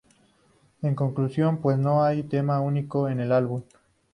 En conclusión, pues, no hay un tema único en el álbum.